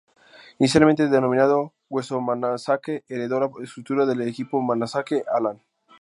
Inicialmente denominado Hueso-Manzanaque, heredó la estructura del equipo Manzanaque-Alan.